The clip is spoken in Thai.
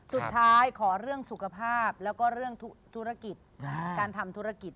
ขอเรื่องสุขภาพแล้วก็เรื่องธุรกิจการทำธุรกิจ